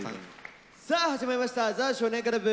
さあ始まりました「ザ少年倶楽部」。